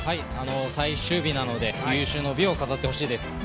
最終日なので有終の美を飾ってほしいです。